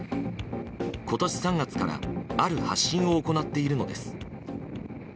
今年３月からある発信を行っているのです。